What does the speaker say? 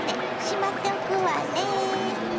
閉まっておくわね！